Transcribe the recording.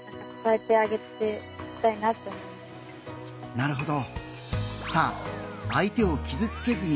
なるほど。